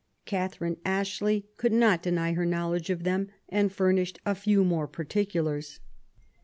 Catherine Ashley could not deny her knowledge of them, and furnished a few more particulars.